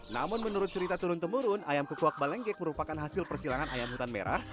namun menurut cerita turun temurun ayam kukuak balengkek merupakan hasil persilangan ayam hutan merah